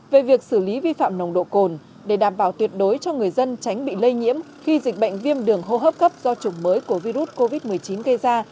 về việc xử lý vi phạm nồng độ cồn để đảm bảo tuyệt đối cho người dân tránh bị lây nhiễm khi dịch bệnh viêm đường hô hấp cấp do chủng mới của virus covid một mươi chín gây ra